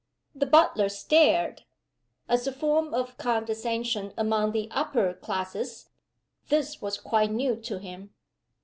The butler stared. As a form of condescension among the upper classes this was quite new to him.